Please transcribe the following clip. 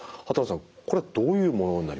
これどういうものになりますか？